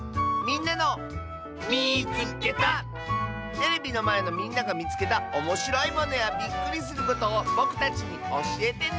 テレビのまえのみんながみつけたおもしろいものやびっくりすることをぼくたちにおしえてね！